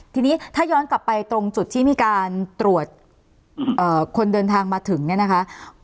ทีนี้ถ้าย้อนกลับไปตรงจุดที่มีการตรวจคนเดินทางมาถึงเนี่ยนะคะ